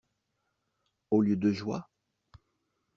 Au lieu de joie?